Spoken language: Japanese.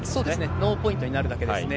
ノーポイントになるだけですね。